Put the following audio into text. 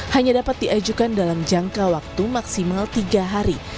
hanya dapat diajukan dalam jangka waktu maksimal tiga hari